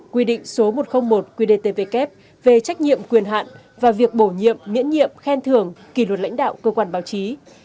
quy định số một trăm linh một qdtvk về trách nhiệm quyền hạn và việc bổ nhiệm miễn nhiệm khen thưởng kỷ luật lãnh đạo cơ quan báo chí